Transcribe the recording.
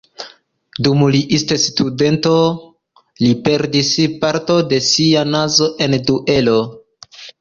Dum li estis studento, li perdis parton de sia nazo en duelo.